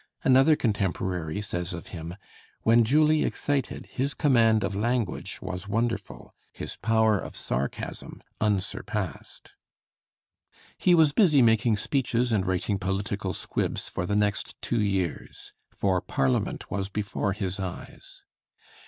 Another contemporary says of him, "When duly excited, his command of language was wonderful, his power of sarcasm unsurpassed." He was busy making speeches and writing political squibs for the next two years; for Parliament was before his eyes.